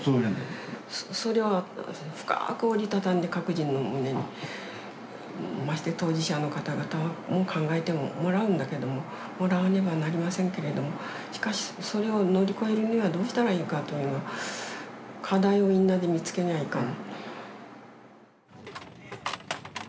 それを深く折り畳んで各人の胸にまして当事者の方々にも考えてもらうんだけどももらわねばなりませんけれどもしかしそれを乗り越えるにはどうしたらいいかというのは課題をみんなで見つけにゃいかん。